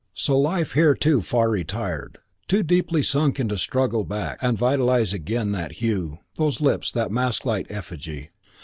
So life here too far retired, too deeply sunk to struggle back and vitalise again that hue, those lips, that masklike effigy.